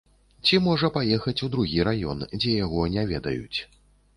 Ці можа паехаць у другі раён, дзе яго не ведаюць.